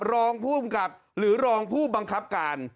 รองภูมิกับหรือรองผู้บังคับการ